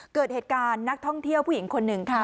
เกิดเหตุการณ์นักท่องเที่ยวผู้หญิงคนหนึ่งค่ะ